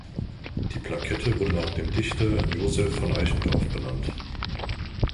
Die Plakette wurde nach dem Dichter Joseph von Eichendorff benannt.